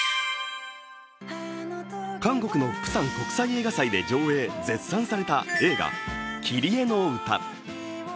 韓国のプサン国際映画祭で上映、絶賛された映画「キリエのうた」。